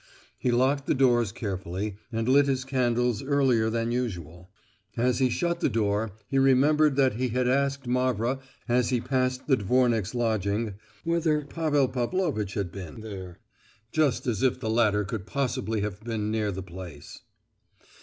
He locked the doors carefully, and lit his candles earlier than usual. As he shut the door he remembered that he had asked Mavra, as he passed the dvornik's lodging, whether Pavel Pavlovitch had been. Just as if the latter could possibly have been near the place!